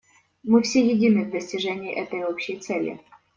Мы все едины в достижении этой общей цели.